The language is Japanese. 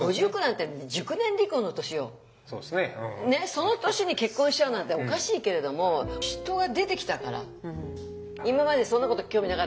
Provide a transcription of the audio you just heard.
その年に結婚しちゃうなんておかしいけれども今までそんなこと興味なかった。